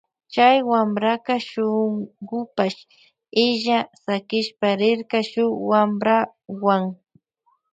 Chay wampraka shungupash illa sakishpa rirka shuk wamprawuan.